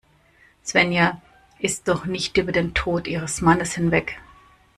Svenja ist noch nicht über den Tod ihres Mannes hinweg.